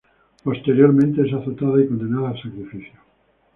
Posteriormente es azotada y condenada al sacrificio.